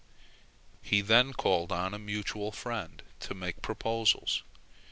He then called on a mutual friend to make proposals.